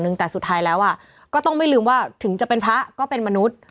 แต่สุดท้ายแล้วก็ต้องไม่ลืมว่าถึงจะเป็นพระก็เป็นมนุษย์